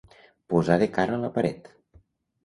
Posar de cara a la paret.